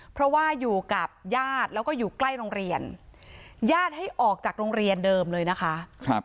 เพราะว่าอยู่กับญาติแล้วก็อยู่ใกล้โรงเรียนญาติให้ออกจากโรงเรียนเดิมเลยนะคะ